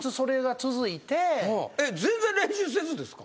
全然練習せずですか？